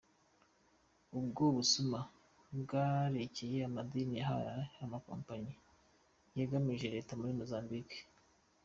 Ubwo busuma bwerekeye amadeni yahawe amakompanyi yegamiye reta muri Mozambique.